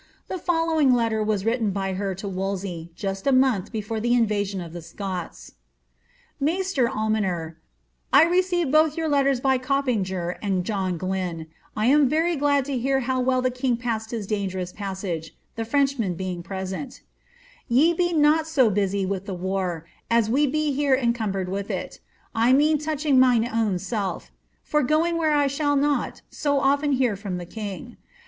The fol lowing letter was written by her to Wolsey just a month before the in* vasion of the Scots :—^ Maister Almoner, " I received both your letters by Coppinger and John Olyn, and I am rery glad to hear how well tlie king passed his dangerous passage, the Frem^hmen being present ••••••" Ye be not so busy with the war as we be here encumbered with it I mean toucliing mine own »eli; for going where I shall not so often hear from the king.